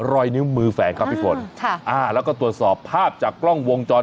รอยนิ้วมือแฝงครับพี่ฝนค่ะอ่าแล้วก็ตรวจสอบภาพจากกล้องวงจร